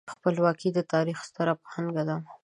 خپلواکي د تاریخ ستره پانګه ده.